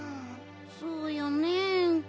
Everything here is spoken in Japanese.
そうよねえ。